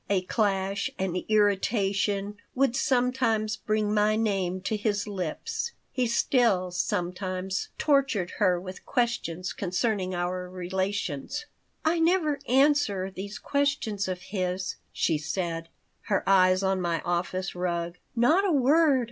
A clash, an irritation, would sometimes bring my name to his lips. He still, sometimes, tortured her with questions concerning our relations "I never answer these questions of his," she said, her eyes on my office rug. "Not a word.